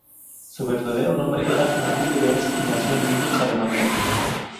Su verdadero nombre era Mathilde Benz, y nació en Munich, Alemania.